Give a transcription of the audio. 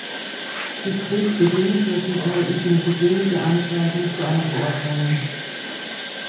Bis Kriegsbeginn führten verhältnismäßig wenige Anzeigen zu einer Verurteilung.